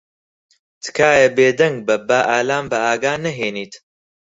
تکایە بێدەنگ بە با ئالان بە ئاگا نەھێنیت.